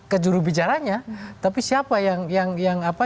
ke jurubicaranya tapi siapa